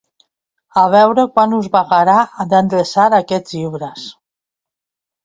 A veure quan us vagarà d'endreçar aquests llibres!